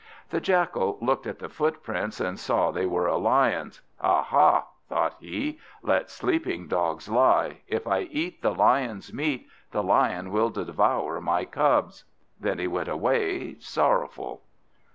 The Jackal looked at the footprints, and saw they were a Lion's. "Aha," thought he, "let sleeping dogs lie. If I eat the Lion's meat, the Lion will devour my cubs." Then he went away sorrowful.